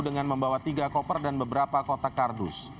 dengan membawa tiga koper dan beberapa kotak kardus